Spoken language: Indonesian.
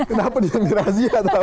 kenapa ditemui raziat